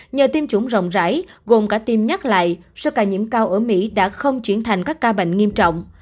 nhờ tiêm chủng rộng rãi gồm cả tiêm nhắc lại số ca nhiễm cao ở mỹ đã không chuyển thành các ca bệnh nghiêm trọng